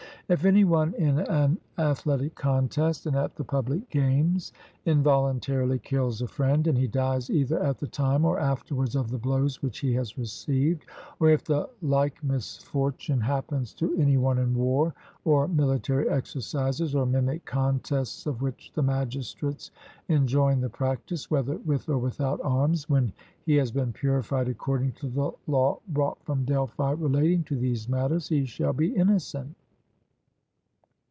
If any one in an athletic contest, and at the public games, involuntarily kills a friend, and he dies either at the time or afterwards of the blows which he has received; or if the like misfortune happens to any one in war, or military exercises, or mimic contests of which the magistrates enjoin the practice, whether with or without arms, when he has been purified according to the law brought from Delphi relating to these matters, he shall be innocent.